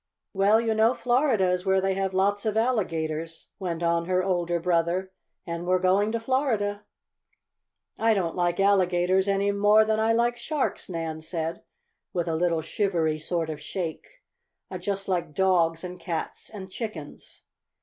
"Well, you know Florida is where they have lots of alligators," went on her older brother. "And we're going to Florida." "I don't like alligators any more than I like sharks," Nan said, with a little shivery sort of shake. "I just like dogs and cats and chickens."